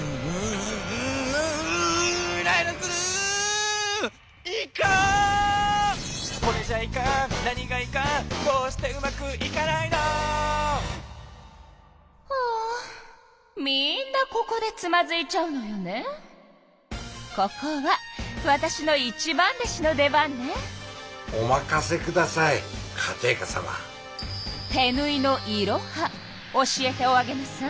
手ぬいのいろは教えておあげなさい。